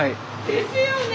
ですよね！